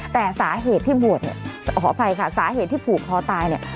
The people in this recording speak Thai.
แต่สาเหตุที่บวชเนี่ยขออภัยค่ะสาเหตุที่ผูกคอตายเนี่ย